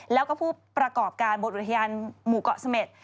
แล้วก็ผู้ประกอบการบทอุทยานหมู่เกาะเสม็ด